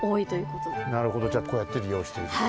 なるほどじゃこうやって利用してるってこと？